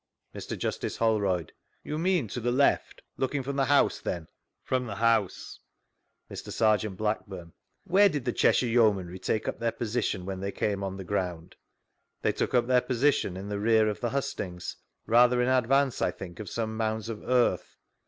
Mr Justice Holrovd: You mean to the left, looking from the house, then ?— From the house. Mr. Serjeant Blackburne: Where did the Cheshire YecHuanry take up their position when they came on the ground? — They took up their position in the rear of the hustings, rather in advance, I think, oi some mounds of earth.